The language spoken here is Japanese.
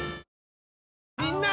みんな！